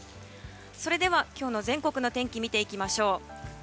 それでは今日の全国の天気を見ていきましょう。